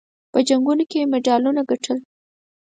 په جنګونو کې یې مډالونه ګټل.